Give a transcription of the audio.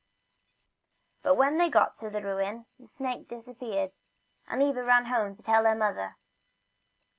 But when they got to the ruin the snake dis appeared, and Eva ran home to tell her mother.